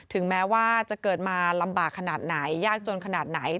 ถึงแม้ว่าจะเกิดมาลำบากขนาดไหนยากจนขนาดไหน